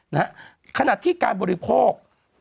นะฮะขนาดที่การบริโภค